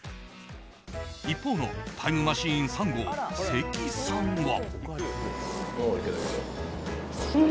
一方のタイムマシーン３号関さんは。